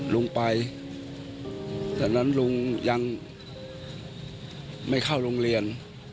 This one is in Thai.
ลุงไปจากนั้นลุงยังไม่เข้าโรงเรียน